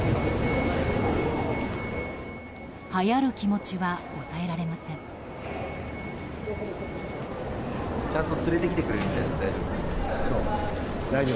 はやる気持ちは抑えられません。